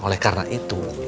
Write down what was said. nah oleh karena itu